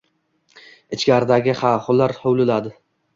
Ichkaridagi ha-hular hovliladi.